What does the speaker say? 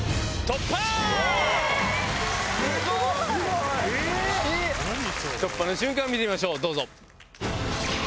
突破の瞬間見てみましょう。